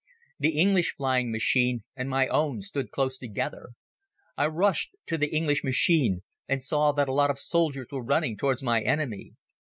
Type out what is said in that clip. The English flying machine and my own stood close together. I rushed to the English machine and saw that a lot of soldiers were running towards my enemy.